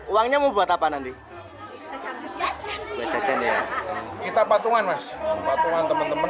uangnya membuat apa nanti kita patungan mas patungan temen temen